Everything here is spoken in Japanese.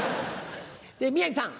宮治さん。